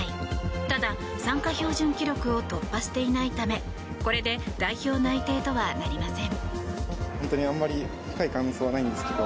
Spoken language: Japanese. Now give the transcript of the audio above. ただ、参加標準記録を突破していないためこれで代表内定とはなりません。